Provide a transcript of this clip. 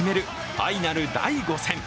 ファイナル第５戦。